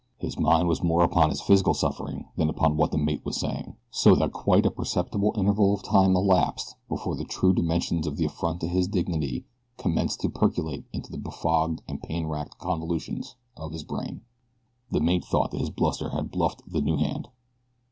His mind was more upon his physical suffering than upon what the mate was saying, so that quite a perceptible interval of time elapsed before the true dimensions of the affront to his dignity commenced to percolate into the befogged and pain racked convolutions of his brain. The mate thought that his bluster had bluffed the new hand.